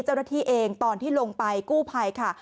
เจ้าหน้าที่เองตอนที่ลงไปกู้ภัยค่ะ